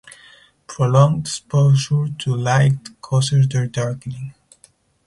Prolonged exposure to light causes their darkening.